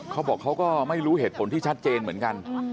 เขาบอกเขาก็ไม่รู้เหตุผลที่ชัดเจนเหมือนกัน